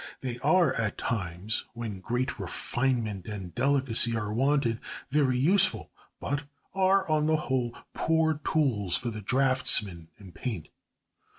They are at times, when great refinement and delicacy are wanted, very useful, but are, on the whole, poor tools for the draughtsman in paint.